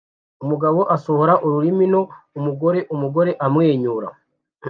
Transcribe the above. Umugabo asohora ururimi no umugore umugore amwenyura